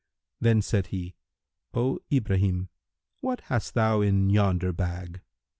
"[FN#320] Then said he, "O Ibrahim, what hast thou in yonder bag?"